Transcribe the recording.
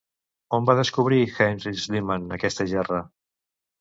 On va descobrir, Heinrich Schliemann, aquesta gerra?